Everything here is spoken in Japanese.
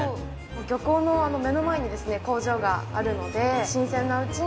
漁港の目の前に工場があるので。